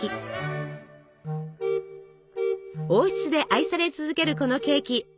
王室で愛され続けるこのケーキ